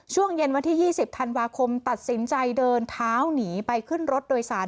ช่วงเย็นวันที่๒๐ธันวาคมตัดสินใจเดินเท้าหนีไปขึ้นรถโดยสาร